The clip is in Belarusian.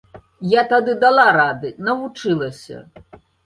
Я тады дала рады, навучылася.